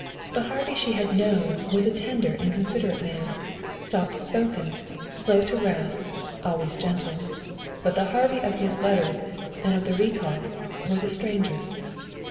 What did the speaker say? The Harvey she had known was a tender and considerate man, soft spoken, slow to wrath, always gentle. But the Harvey of his letters and of the recall was a stranger.